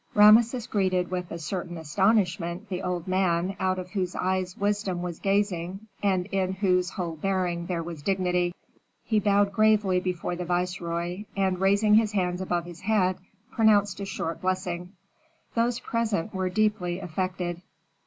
Rameses greeted with a certain astonishment the old man out of whose eyes wisdom was gazing and in whose whole bearing there was dignity. He bowed gravely before the viceroy, and raising his hands above his head, pronounced a short blessing. Those present were deeply affected.